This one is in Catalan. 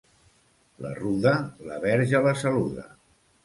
La ruda, la verge la saluda.